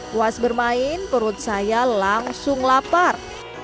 puas bermain perut saya langsung lapar